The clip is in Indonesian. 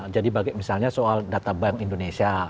jadi misalnya soal data bank indonesia